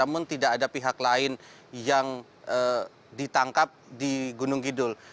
namun tidak ada pihak lain yang ditangkap di gunung kidul